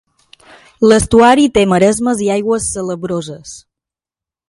L'estuari té maresmes i aigües salabroses.